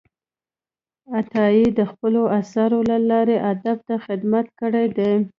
عطايي د خپلو آثارو له لارې ادب ته خدمت کړی دی.